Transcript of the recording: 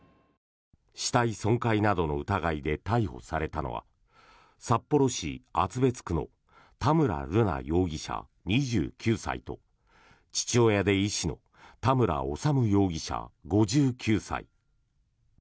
死体損壊などの疑いで逮捕されたのは札幌市厚別区の田村瑠奈容疑者、２９歳と父親で医師の田村修容疑者５９歳。